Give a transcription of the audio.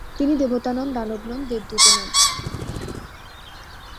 তিনি দেবতা নন, দানব নন, দেবদূতও নন।